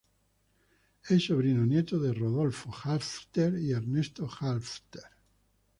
Es sobrino-nieto de Rodolfo Halffter y Ernesto Halffter.